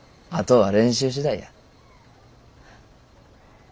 あとは練習次第や。